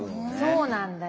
そうなんだよ。